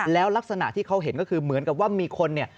แล้วลักษณะที่เขาเห็นก็คือเหมือนกับว่ามีคนเนี่ย